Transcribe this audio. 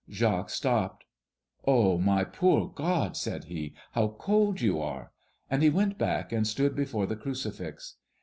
Jacques stopped. "Oh, my poor God," said he, "how cold you are!" and he went back and stood before the crucifix.